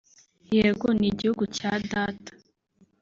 yego ni igihugu cya Data